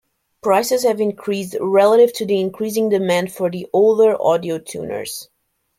Prices have increased relative to the increasing demand for the older audio tuners.